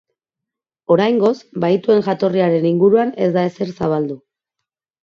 Oraingoz, bahituen jatorriaren inguruan ez da ezer zabaldu.